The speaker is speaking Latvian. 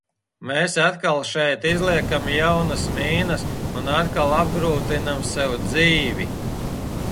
"Mēs atkal šeit izliekam jaunas "mīnas" un atkal apgrūtinām sev dzīvi."